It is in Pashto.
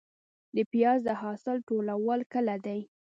د پیاز د حاصل ټولول کله دي؟